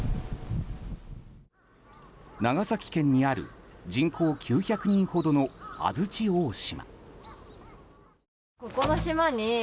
長崎県にある人口９００人ほどの的山大島。